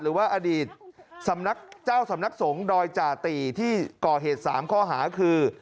หรือว่าอดีตสำนักเจ้าสำนักสงฆ์ดอยจาติที่ก่อเหตุ๓ข้อหาคือ